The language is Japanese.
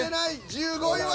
１５位は。